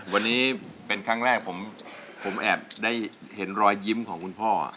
วันนี้เป็นครั้งแรกผมแอบได้เห็นรอยยิ้มของคุณพ่อ